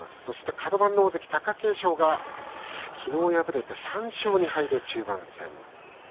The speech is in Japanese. カド番の大関貴景勝は昨日敗れて３勝２敗で中盤戦。